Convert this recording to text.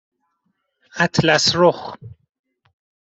اطلسرخ